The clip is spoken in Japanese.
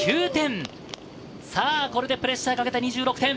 これでプレッシャーをかけた２６点。